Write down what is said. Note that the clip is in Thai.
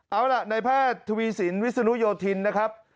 เอาล่ะในแพทย์ทวีสินวิศนุโยธินนะครับ